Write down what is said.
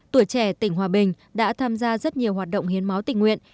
tuổi trẻ tỉnh hòa bình đã tham gia rất nhiều hoạt động hiến máu tình nguyện